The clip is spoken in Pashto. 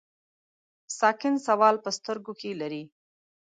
ساکن سوال په سترګو کې لري.